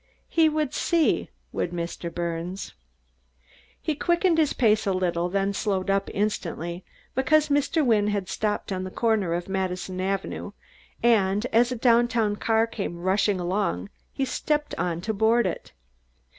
He would see, would Mr. Birnes. He quickened his pace a little, then slowed up instantly, because Mr. Wynne had stopped on the corner of Madison Avenue, and as a downtown car came rushing along he stepped out to board it.